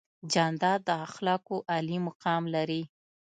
جانداد د اخلاقو عالي مقام لري.